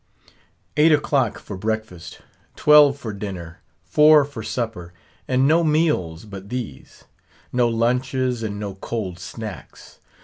Eight o'clock for breakfast; twelve for dinner; four for supper; and no meals but these; no lunches and no cold snacks.